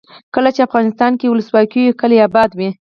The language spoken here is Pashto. کله چې افغانستان کې ولسواکي وي کلي اباد وي.